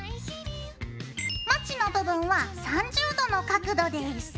まちの部分は３０度の角度です。